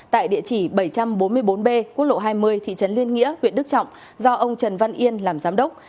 tại địa chỉ bảy trăm bốn mươi bốn b quốc lộ hai mươi thị trấn liên nghĩa huyện đức trọng do ông trần văn yên làm giám đốc